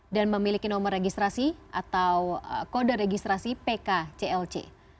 dan memiliki nomor registrasi atau kode registrasi pk clc